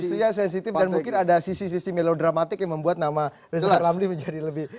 isunya sensitif dan mungkin ada sisi sisi melodramatik yang membuat nama rizal ramli menjadi lebih